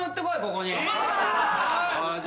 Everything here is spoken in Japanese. ここに。